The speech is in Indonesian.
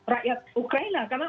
rakyat ukraina karena